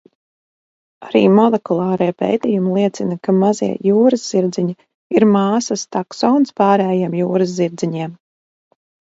Arī molekulārie pētījumi liecina, ka mazie jūraszirdziņi ir māsas taksons pārējiem jūraszirdziņiem.